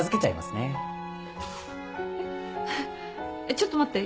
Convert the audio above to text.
ちょっと待って。